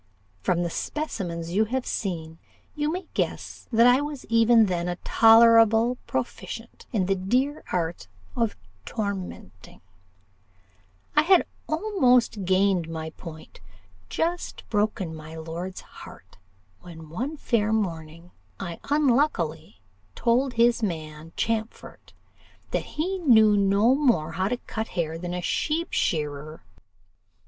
From the specimens you have seen, you may guess that I was even then a tolerable proficient in the dear art of tormenting. I had almost gained my point, just broken my lord's heart, when one fair morning I unluckily told his man Champfort that he knew no more how to cut hair than a sheep shearer.